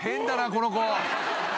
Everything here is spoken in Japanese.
この子。